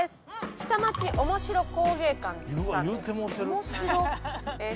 下町おもしろ工芸館さんです。